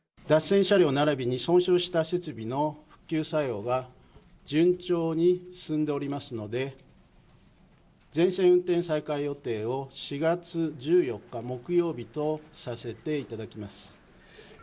脱線車両ならびに損傷した設備の復旧作業が順調に進んでおりますので、全線運転再開予定を４月１４日木曜日とさせていただきます。